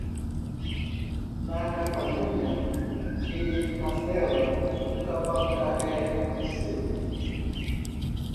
Na Catalunha e em Castela, o cavalo carrega o selo.